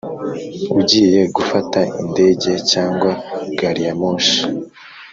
ugiye gufata indege cyangwa gari ya moshi?